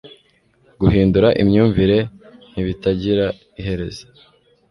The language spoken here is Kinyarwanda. Guhindura imyumvire ntibitagira iherez